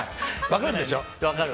分かるでしょ。